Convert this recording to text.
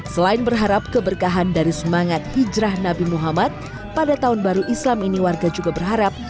selain berharap keberkahan dari semangat hijrah nabi muhammad pada tahun baru islam ini warga juga berharap